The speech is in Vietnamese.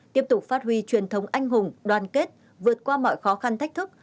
tiếp tục phát huy truyền thống anh hùng đoàn kết vượt qua mọi khó khăn thách thức